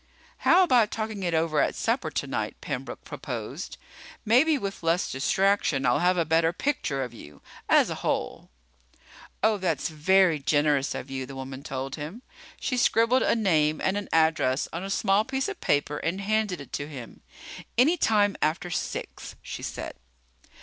"How about talking it over at supper tonight?" Pembroke proposed. "Maybe with less distraction I'll have a better picture of you as a whole." "Oh, that's very generous of you," the woman told him. She scribbled a name and an address on a small piece of paper and handed it to him. "Any time after six," she said.